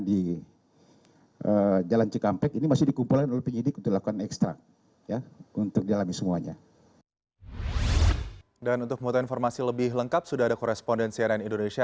dan untuk memutuhkan informasi lebih lengkap sudah ada korespondensi dari indonesia